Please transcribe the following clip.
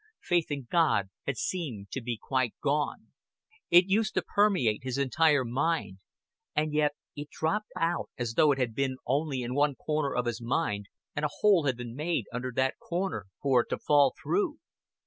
Faith in God had seemed to be quite gone. It used to permeate his entire mind; and yet it dropped out as though it had been only in one corner of his mind, and a hole had been made under that corner for it to fall through.